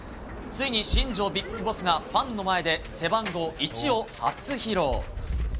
ついに新庄ビッグボスがファンの前で背番号１を初披露。